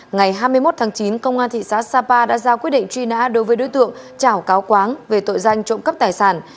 ngày hai mươi một tháng chín công an thị xã sapa đã ra quyết định truy nã đối với đối tượng trảo cáo về tội danh trộm cắp tài sản